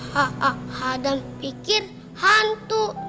ha ha ha dan pikir hantu